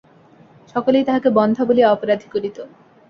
সকলেই তাহাকে বন্ধ্যা বলিয়া অপরাধী করিত।